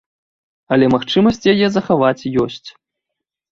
Але магчымасць яе захаваць ёсць.